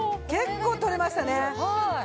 結構取れましたね。